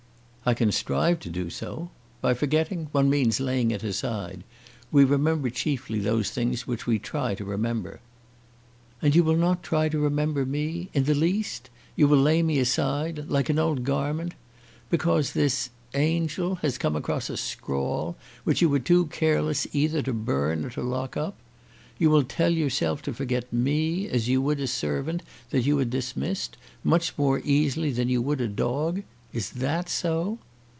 "I can strive to do so. By forgetting, one means laying it aside. We remember chiefly those things which we try to remember." "And you will not try to remember me in the least? You will lay me aside like an old garment? Because this angel has come across a scrawl which you were too careless either to burn or to lock up! You will tell yourself to forget me, as you would a servant that you had dismissed, much more easily than you would a dog? Is that so?"